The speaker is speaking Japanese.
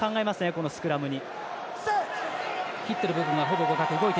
このスクラムに。